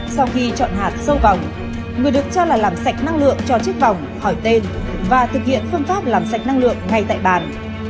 sau khi chọn hạt sâu vòng người được cho là làm sạch năng lượng cho chiếc vòng hỏi tên và thực hiện phương pháp làm sạch năng lượng ngay tại bàn